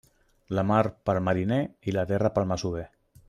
La mar pel mariner i la terra pel masover.